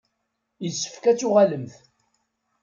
Yessefk ad d-tuɣalemt.